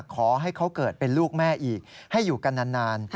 ขอให้เขาเกิดเป็นลูกแม่อีกให้อยู่กันนาน